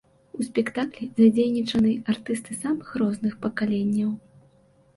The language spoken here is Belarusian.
У спектаклі задзейнічаны артысты самых розных пакаленняў.